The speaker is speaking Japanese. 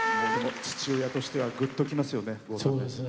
父親としてはぐっときますよね。